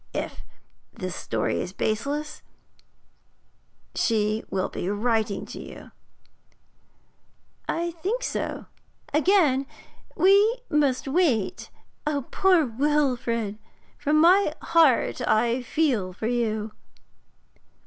If this story is baseless, she will be writing to you.' 'I think so. Again we must wait. Poor Wilfrid! from my heart I feel for you!'